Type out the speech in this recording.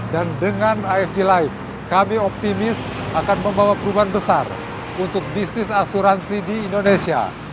dan dengan afg live kami optimis akan membawa perubahan besar untuk bisnis asuransi di indonesia